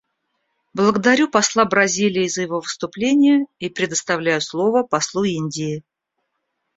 Благодарю посла Бразилии за его выступление и предоставляю слово послу Индии.